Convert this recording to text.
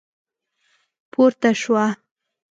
پورته شوه.